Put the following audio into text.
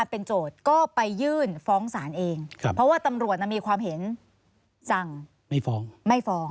เพราะว่าตำรวจมีความเห็นจังไม่ฟ้อง